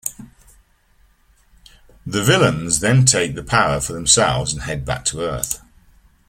The villains then take the power for themselves and head back to earth.